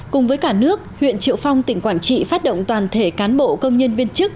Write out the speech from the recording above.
cùng với cả nước huyện triệu phong tỉnh quảng trị phát động toàn thể cán bộ công nhân viên chức